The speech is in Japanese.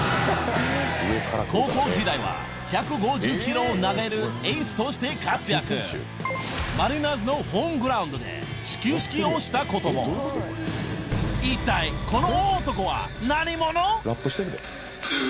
おぉ！を投げるエースとして活躍マリナーズのホームグラウンドで始球式をしたことも一体この